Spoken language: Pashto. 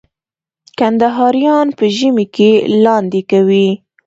کندهاریان په ژمي کي لاندی کوي.